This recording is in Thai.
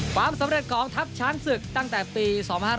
ความสำเร็จของทัพช้างศึกตั้งแต่ปี๒๕๕๙